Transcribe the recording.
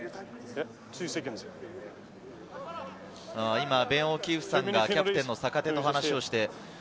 今、ベン・オキーフさんがキャプテンの坂手と話をして。